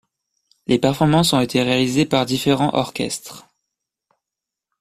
Les performances ont été réalisées par différents orchestres.